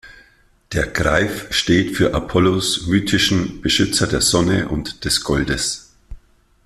Der Greif steht für Apollos mythischen Beschützer der Sonne und des Goldes.